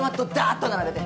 っと並べて。